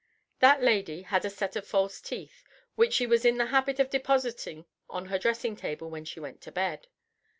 That lady had a set of false teeth which she was in the habit of depositing on her dressing table when she went to bed.